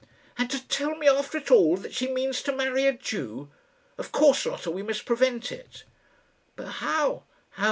"And to tell me, after it all, that she means to marry a Jew. Of course, Lotta, we must prevent it." "But how?